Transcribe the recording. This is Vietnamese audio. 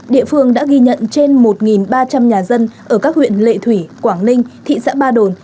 địa phương đã ghi nhận trên một ba trăm linh nhà dân ở các huyện lệ thủy quảng ninh thị xã ba đồn